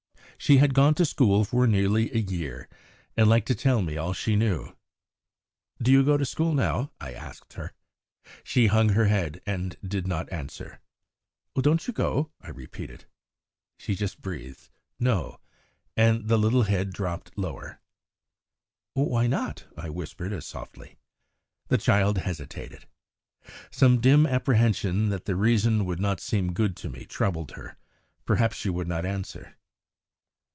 She had gone to school for nearly a year, and liked to tell me all she knew. "Do you go to school now?" I asked her. She hung her head and did not answer. "Don't you go?" I repeated. She just breathed "No," and the little head dropped lower. "Why not?" I whispered as softly. The child hesitated. Some dim apprehension that the reason would not seem good to me troubled her, perhaps, for she would not answer.